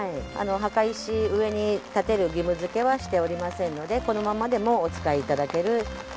墓石上に建てる義務づけはしておりませんのでこのままでもお使い頂ける墓所になっております。